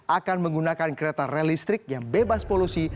akan menggunakan kereta relistrik yang bebas polusi